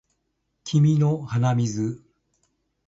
君の鼻水